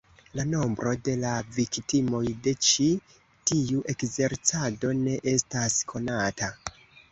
La nombro de la viktimoj de ĉi tiu ekzercado ne estas konata.